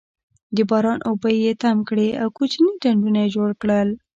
د باران اوبه یې تم کړې او کوچني ډنډونه یې جوړ کړل.